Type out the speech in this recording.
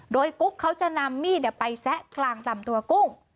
โดยกุ๊กเขาจะนำมีดไปแซะกลางลำตัวกุ้ง